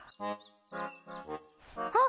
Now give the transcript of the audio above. あっ！